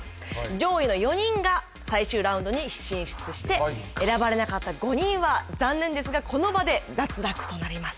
上位の４人が最終ラウンドに進出して選ばれなかった５人は残念ですがこの場で脱落となります